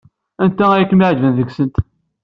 Anta ay kem-iɛejben deg-sent?